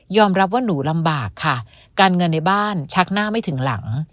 รับว่าหนูลำบากค่ะการเงินในบ้านชักหน้าไม่ถึงหลัง